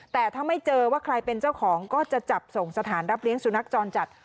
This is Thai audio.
แต่ถ้าไม่เจอว่าใครเป็นเจ้าของก็จะจับส่งสถานรับเลี้ยสุนัขจรจัด